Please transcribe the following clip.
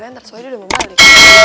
ntar soalnya dia udah mau balik